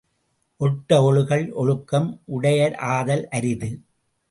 ஒட்ட ஒழுகல் ஒழுக்கம் உடையராதல் அரிது.